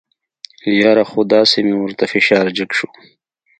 یاره خو داسې مې ورته فشار جګ شو.